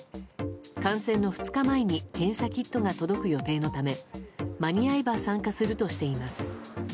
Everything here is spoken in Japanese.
観戦の２日前に検査キットが届く予定のため間に合えば参加するとしています。